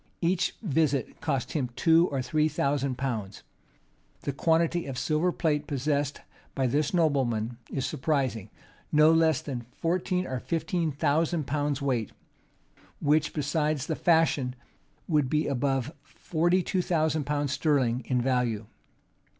Each visit cost him two or three thousand pounds.[v*] The quantity of silver plate possessed by this nobleman is surprising; no less than fourteen or fifteen thousand pounds weight;[v] which, besides the fashion, would be above forty two thousand pounds sterling in value.